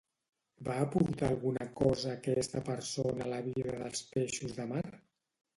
Va aportar alguna cosa aquesta persona a la vida dels peixos de mar?